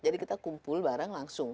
jadi kita kumpul barang langsung